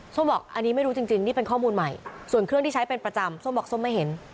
บอกอันนี้ไม่รู้จริงนี่เป็นข้อมูลใหม่ส่วนเครื่องที่ใช้เป็นประจำส้มบอกส้มไม่เห็น